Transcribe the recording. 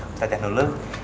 ustadz jalan dulu